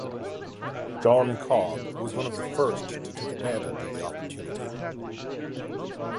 John Cobb was one of the first to take advantage of the opportunity.